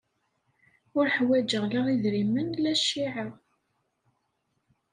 Ur ḥwajeɣ la idrimen la cciɛa.